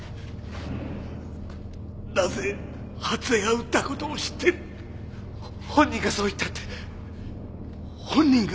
なぜ初枝が撃ったことを知ってる⁉「本人がそう言った」って本人が？